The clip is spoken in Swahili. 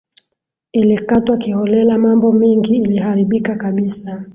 ilikatwa kiholela mambo mingi iliharibika kabisa